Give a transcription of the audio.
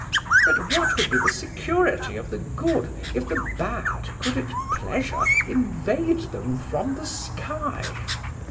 But what would be the security of the good if the bad could at pleasure invade them from the sky?